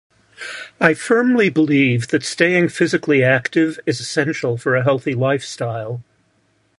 I firmly believe that staying physically active is essential for a healthy lifestyle.